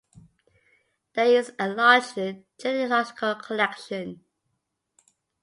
There is a large genealogical collection.